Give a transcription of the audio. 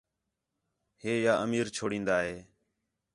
ہِے یا امیر چوڑین٘دا ہِے